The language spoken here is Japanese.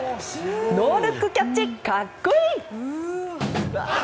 ノールックキャッチ、格好いい。